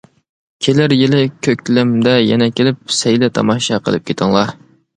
كېلەر يىلى كۆكلەمدە يەنە كېلىپ، سەيلە-تاماشا قىلىپ كېتىڭلار!